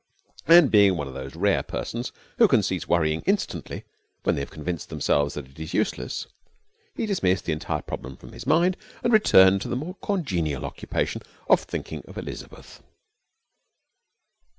And, being one of those rare persons who can cease worrying instantly when they have convinced themselves that it is useless, he dismissed the entire problem from his mind and returned to the more congenial occupation of thinking of Elizabeth.